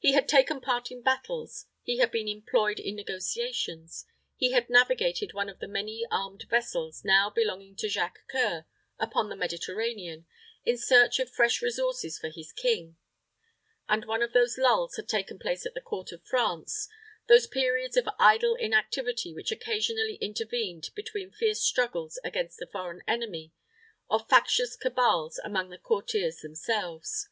He had taken part in battles, he had been employed in negotiations, he had navigated one of the many armed vessels, now belonging to Jacques C[oe]ur, upon the Mediterranean, in search of fresh resources for his king; and one of those lulls had taken place at the court of France those periods of idle inactivity which occasionally intervened between fierce struggles against the foreign enemy, or factious cabals among the courtiers themselves.